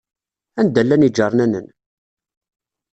Anda llan iǧarnanen?